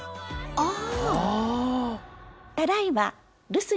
ああ！